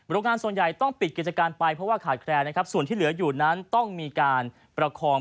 โรงงานส่วนใหญ่ต้องปิดกิจการไปเพราะว่าขาดแคลนนะครับส่วนที่เหลืออยู่นั้นต้องมีการประคอง